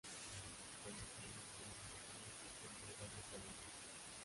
Con este grupo, Dave grabó varios álbumes.